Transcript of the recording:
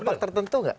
dampak tertentu nggak